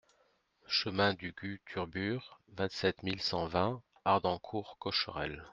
Chemin du Gue Turbure, vingt-sept mille cent vingt Hardencourt-Cocherel